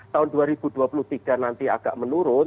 tahun dua ribu dua puluh tiga nanti agak menurun